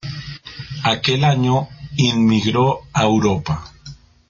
Aquel año inmigró a Europa.